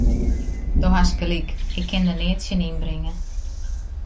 Do hast gelyk, ik kin der neat tsjin ynbringe.